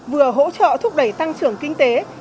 vừa hỗ trợ thúc đẩy tăng trưởng kinh tế